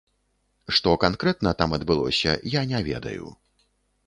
Што канкрэтна там адбылося, я не ведаю.